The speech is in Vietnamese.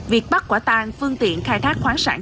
việc bắt quả tàn phương tiện khai thác khoáng sản